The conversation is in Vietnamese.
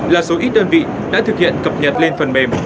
là số ít đơn vị đã thực hiện cập nhật lên phần mềm